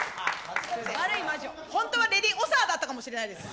本当はレディオサーだったかもしれないです。